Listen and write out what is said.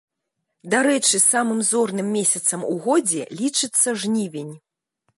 Дарэчы, самым зорным месяцам у годзе лічыцца жнівень.